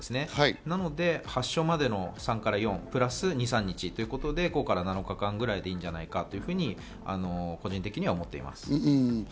なので発症までの３から４プラス２３日ということで、５から７日間ぐらいでいいんじゃないかというふうに個人的には思っています。